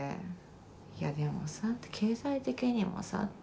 「いやでもさ経済的にもさ」って。